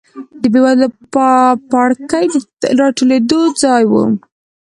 د بېوزله پاړکي د راټولېدو ځای و.